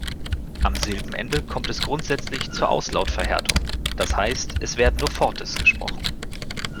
Am Silbenende kommt es grundsätzlich zur Auslautverhärtung, das heißt, es werden nur Fortes gesprochen.